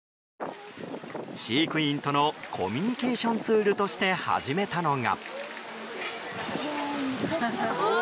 飼育員とのコミュニケーションツールとして始めたのが。